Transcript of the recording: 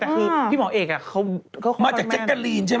แต่คือพี่หมอเอกเขามาจากแจ๊กกะลีนใช่ไหม